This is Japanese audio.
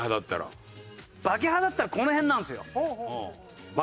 バケハだったらこの辺なんですよ。